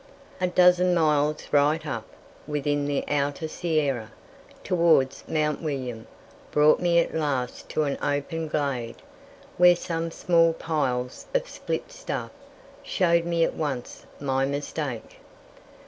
A dozen miles right up, within the outer sierra, towards Mount William, brought me at last to an open glade, where some small piles of "split stuff" showed me at once my mistake.